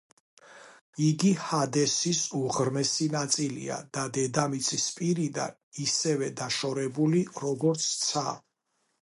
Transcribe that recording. იგი ჰადესის უღრმესი ნაწილია და დედამიწის პირიდან ისევე დაშორებული, როგორც ცა.